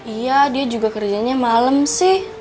iya dia juga kerjanya malam sih